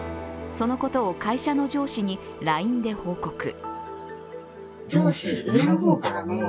そのことを会社の上司にＬＩＮＥで報告。